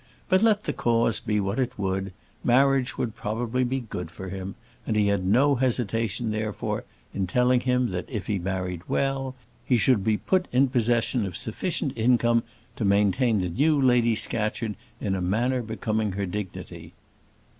But let the cause be what it would, marriage would probably be good for him; and he had no hesitation, therefore, in telling him, that if he married well, he should be put in possession of sufficient income to maintain the new Lady Scatcherd in a manner becoming her dignity.